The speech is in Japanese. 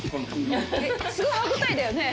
すごい歯応えだよね？